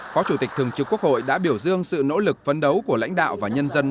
phó chủ tịch thường trực quốc hội đã biểu dương sự nỗ lực phấn đấu của lãnh đạo và nhân dân